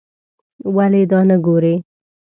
ولې دا نه ګورې.